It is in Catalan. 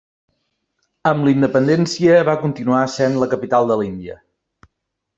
Amb la independència va continuar essent la capital de l'Índia.